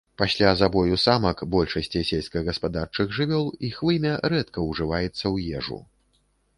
Пасля забою самак большасці сельскагаспадарчых жывёл іх вымя рэдка ўжываецца ў ежу.